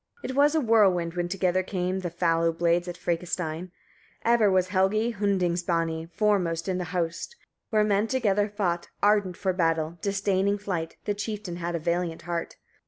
52. It was a whirlwind, when together came the fallow blades at Frekastein: ever was Helgi Hundingsbani foremost in the host, where men together fought: ardent for battle, disdaining flight; the chieftain had a valiant heart.